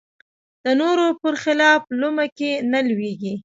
د نورو بر خلاف لومه کې نه لویېږي